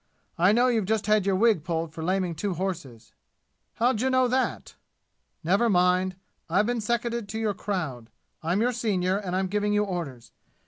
I know you've just had your wig pulled for laming two horses!" "How d'you know that?" "Never mind! I've been seconded to your crowd. I'm your senior, and I'm giving you orders.